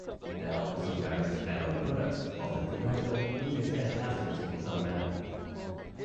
There are also various add-on products, often commercial, which extend Asterisk in some manner.